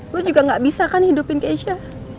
gue juga gak bisa kan hidupin keisha